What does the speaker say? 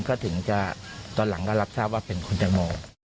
ก็ถึงจะตอนหลังก็รับทราบว่าเป็นคุณแตงโม